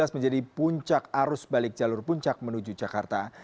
menjadi puncak arus balik jalur puncak menuju jakarta